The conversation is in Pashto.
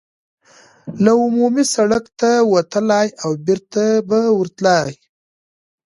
له عمومي سړک ته وتلای او بېرته به ورتللای.